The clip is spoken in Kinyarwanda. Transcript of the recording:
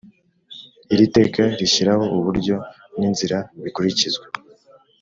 Iri teka rishyiraho uburyo n inzira bikurikizwa